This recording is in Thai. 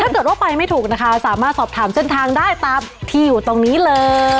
ถ้าเกิดว่าไปไม่ถูกนะคะสามารถสอบถามเส้นทางได้ตามที่อยู่ตรงนี้เลย